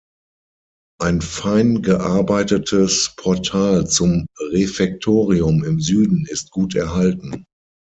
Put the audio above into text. Ein fein gearbeitetes Portal zum Refektorium im Süden ist gut erhalten.